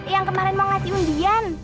yang kemarin mau ngasih undian